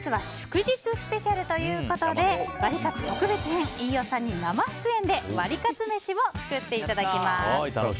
本日は祝日スペシャルということでワリカツ特別編飯尾さんに生出演でワリカツめしを作っていただきます。